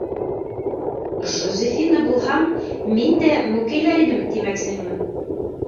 Жозефина булһаң, мин дә мүкәйләр инем тимәксеһеңме?